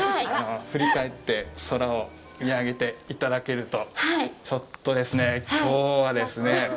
振り返って空を見上げていただけるとちょっとですね、きょうはですね